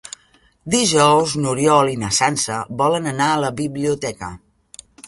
Dijous n'Oriol i na Sança volen anar a la biblioteca.